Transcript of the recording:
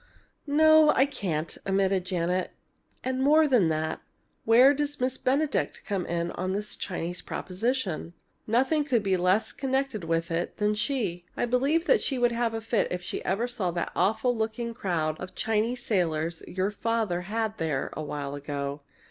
"No, I can't," admitted Janet. "And, more than that, where does Miss Benedict come in on this Chinese proposition? Nothing could be less connected with it than she! I believe she'd have a fit if she ever saw that awful looking crowd of Chinese sailors your father had there a while ago.